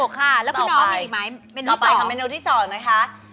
กะเพราหมูสับไข่ดาว